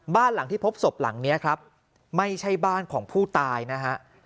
บ้านหลังที่พบศพหลังนี้ครับไม่ใช่บ้านของผู้ตายนะฮะ